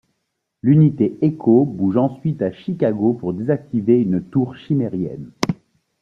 L'unité Echo bouge ensuite à Chicago pour désactiver une tour chimérienne.